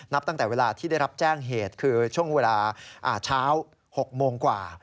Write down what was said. ตั้งแต่เวลาที่ได้รับแจ้งเหตุคือช่วงเวลาเช้า๖โมงกว่า